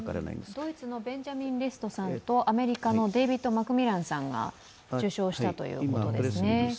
ドイツのベンジャミン・リストさんとアメリカのデイビッド・マクミランさんが受賞したということですね。